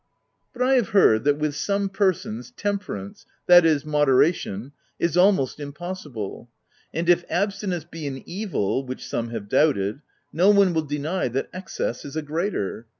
''" But I have heard that, with some persons, temperance— that is moderation — is almost im possible ; and if abstinence be an evil, (which e 2 76 THE TENANT some have doubted) no one will deny that excess is a greater.